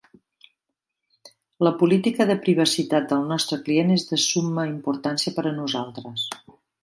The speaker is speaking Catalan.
La política de privacitat del nostre client és de summa importància per a nosaltres.